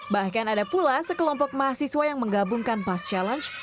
bahkan ada pula sekelompok mahasiswa yang menggabungkan bus challenge